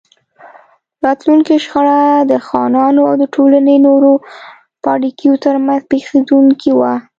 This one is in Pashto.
راتلونکې شخړه د خانانو او د ټولنې نورو پاړکیو ترمنځ پېښېدونکې وه.